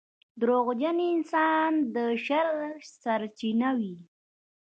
• دروغجن انسان د شر سرچینه وي.